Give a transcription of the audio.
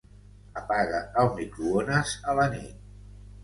Apaga el microones a la nit.